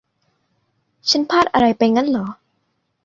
ฉันพลาดอะไรไปงั้นเหรอ ?